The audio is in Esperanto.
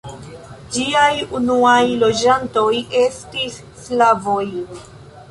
Ĝiaj unuaj loĝantoj estis slavoj.